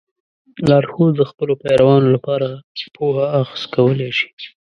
لارښود د خپلو پیروانو لپاره پوهه اخذ کولی شي.